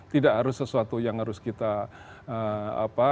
tidak harus sesuatu yang harus kita apa